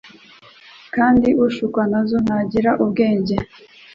kandi ushukwa nazo ntagira ubwenge"